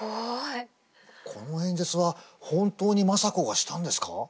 この演説は本当に政子がしたんですか？